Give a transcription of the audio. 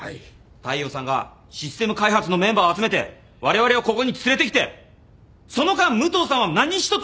大陽さんがシステム開発のメンバーを集めてわれわれをここに連れてきてその間武藤さんは何一つ進められなかったわけですか？